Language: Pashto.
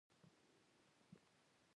څوک نه وو چې پوښتنه وکړي.